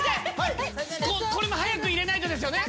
これも早く入れないとですよね？